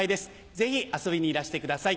ぜひ遊びにいらしてください。